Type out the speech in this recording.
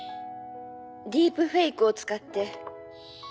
ディープフェイクを使って。